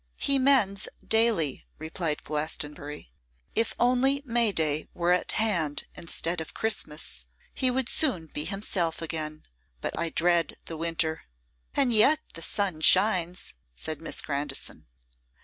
'He mends daily,' replied Glastonbury. 'If only May day were at hand instead of Christmas, he would soon be himself again; but I dread the winter.' 'And yet the sun shines.' said Miss Grandison.